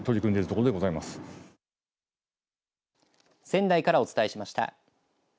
仙台からお伝えしました。